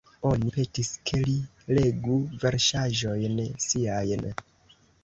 Oni petis, ke li legu versaĵojn siajn.